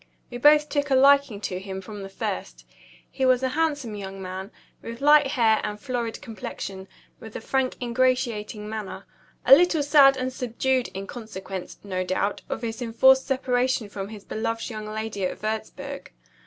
We both took a liking to him from the first. He was a handsome young man, with light hair and florid complexion, and with a frank ingratiating manner a little sad and subdued, in consequence, no doubt, of his enforced separation from his beloved young lady at Wurzburg.